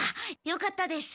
よかったです。